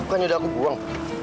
bukan sudah aku buang